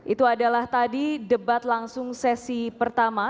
itu adalah tadi debat langsung sesi pertama